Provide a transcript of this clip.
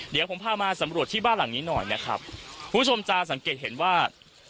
เดี๋ยวผมพามาสำรวจที่บ้านหลังนี้หน่อยนะครับคุณผู้ชมจะสังเกตเห็นว่า